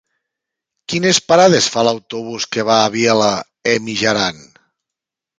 Quines parades fa l'autobús que va a Vielha e Mijaran?